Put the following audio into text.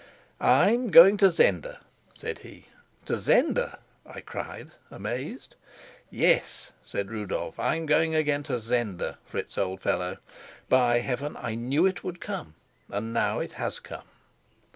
"I'm going to Zenda," said he. "To Zenda!" I cried, amazed. "Yes," said Rudolf. "I'm going again to Zenda, Fritz, old fellow. By heaven, I knew it would come, and now it has come!"